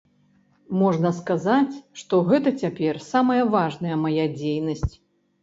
Можна сказаць, што гэта цяпер самая важная мая дзейнасць.